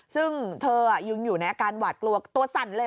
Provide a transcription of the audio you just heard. ซึ่งเธอยังอยู่ในอาการหวาดกลัวตัวสั่นเลย